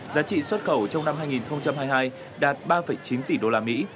giá trị xuất khẩu trong năm hai nghìn hai mươi hai đạt ba chín tỷ đô la mỹ